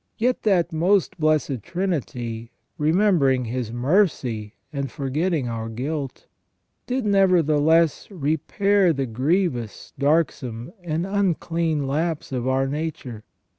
... Yet that Most Blessed Trinity, remembering His mercy and forgetting our guilt, did nevertheless repair the grievous, darksome, and unclean lapse of our nature.